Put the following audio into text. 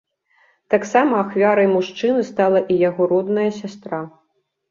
Таксама ахвярай мужчыны стала і яго родная сястра.